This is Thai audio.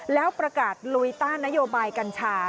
แล้วประกาศลุยต้านนโยบายกัญชา